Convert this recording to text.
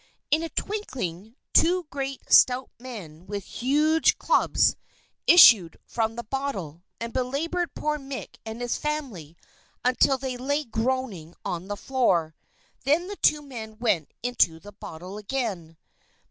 In a twinkling two great, stout men with two huge clubs, issued from the bottle, and belaboured poor Mick and his family until they lay groaning on the floor. Then the two men went into the bottle again.